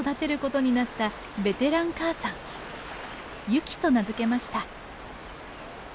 ユキと名付けました。